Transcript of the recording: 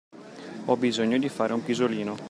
Ho bisogno di fare un pisolino.